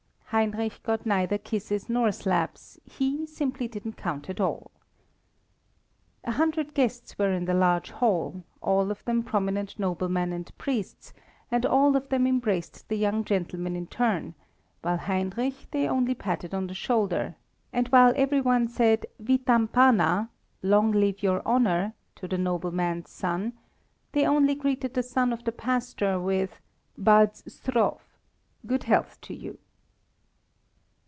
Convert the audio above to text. Heinrich got neither kisses nor slaps, he simply didn't count at all. A hundred guests were in the large hall, all of them prominent noblemen and priests, and all of them embraced the young gentleman in turn, while Heinrich they only patted on the shoulder, and while every one said: "Vitam pana!" to the nobleman's son, they only greeted the son of the pastor with: "Badz zdrow!" [Footnote 16: "Long live your honour!"] [Footnote 17: "Good health to you!"